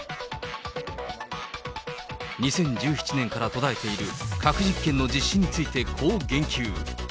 ２０１７年から途絶えている、核実験の実施について、こう言及。